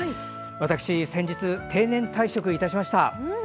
私、先日、定年退職いたしました。